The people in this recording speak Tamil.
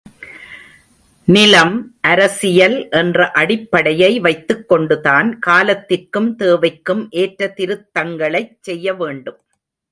நிலம், அரசியல் என்ற அடிப்படையை வைத்துக் கொண்டுதான் காலத்திற்கும், தேவைக்கும் ஏற்ற திருத்தங்களைச் செய்யவேண்டும்.